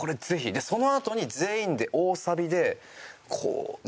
でそのあとに全員で大サビでこうね